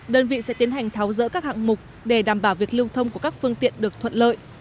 đơn vị sẽ tiến hành tháo rỡ các hạng mục để đảm bảo việc lưu thông của các phương tiện được thuận lợi